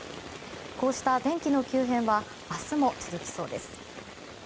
こうした天気の急変は明日も続きそうです。